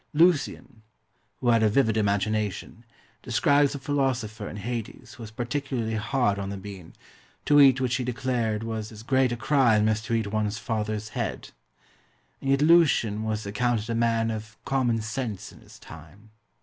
Lucian, who had a vivid imagination, describes a philosopher in Hades who was particularly hard on the bean, to eat which he declared was as great a crime as to eat one's father's head. And yet Lucian was accounted a man of common sense in his time.